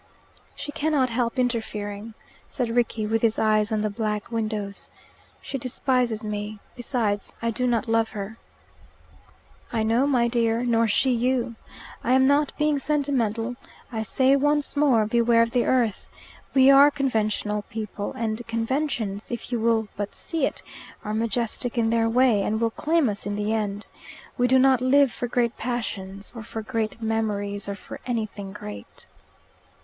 "She cannot help interfering," said Rickie, with his eyes on the black windows. "She despises me. Besides, I do not love her." "I know, my dear. Nor she you. I am not being sentimental. I say once more, beware of the earth. We are conventional people, and conventions if you will but see it are majestic in their way, and will claim us in the end. We do not live for great passions or for great memories, or for anything great."